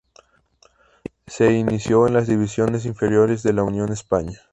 Se inició en las divisiones inferiores de Unión Española.